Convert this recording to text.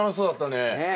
ねえ。